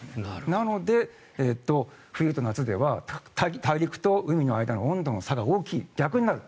なので、冬と夏では大陸と海の間の温度の差が大きい逆になる。